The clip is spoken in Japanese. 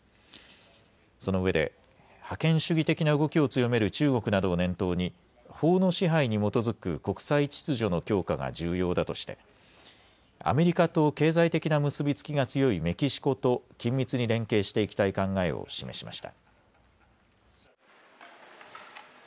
そのうえで覇権主義的な動きを強める中国などを念頭に法の支配に基づく国際秩序の強化が重要だとしてアメリカと経済的な結び付きが強いメキシコと緊密に連携していきたい考えを示しました。